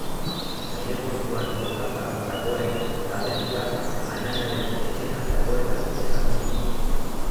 Aireportuan botata dagoen galdetuta, anaiaren etxean dagoela esan digu.